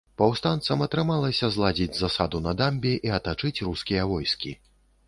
Паўстанцам атрымалася зладзіць засаду на дамбе і атачыць рускія войскі.